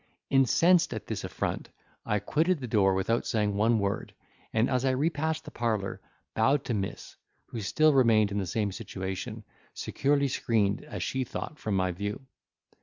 Incensed at this affront, I quitted the door without saying one word, and as I repassed the parlour, bowed to Miss, who still remained in the same situation, securely screened, as she thought, from my view.